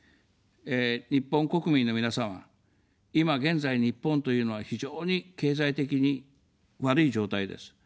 日本国民の皆様、今現在、日本というのは非常に経済的に悪い状態です。